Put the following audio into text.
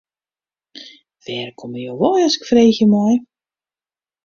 Wêr komme jo wei as ik freegje mei.